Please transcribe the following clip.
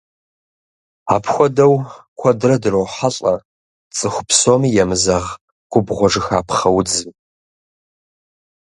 Апхуэдэу куэдрэ дрохьэлӏэ цӏыху псоми емызэгъ губгъуэжыхапхъэ удзым.